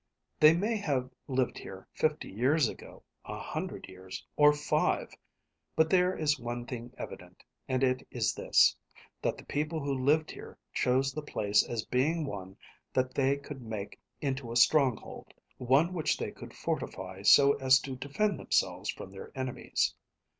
They may have lived here fifty years ago, a hundred years, or five. But there is one thing evident, and it is this that the people who lived here chose the place as being one that they could make into a stronghold, one which they could fortify so as to defend themselves from their enemies."